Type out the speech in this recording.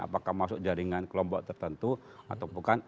apakah masuk jaringan kelompok tertentu atau bukan